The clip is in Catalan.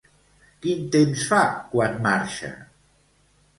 Quin temps fa quan marxa?